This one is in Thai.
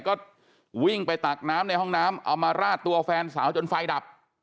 ก็วิ่งไปตักน้ำในห้องน้ำเอามาราดตัวแฟนสาวจนไฟดับ